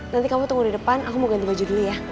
nanti kamu tunggu di depan aku mau ganti baju dulu ya